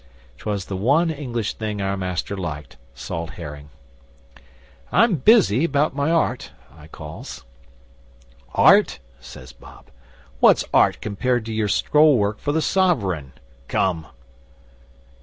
'Twas the one English thing our Master liked salt herring. '"I'm busy, about my art," I calls. '"Art?" says Bob. "What's Art compared to your scroll work for the SOVEREIGN? Come."